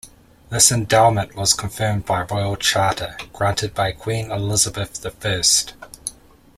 This endowment was confirmed by Royal Charter granted by Queen Elizabeth the First.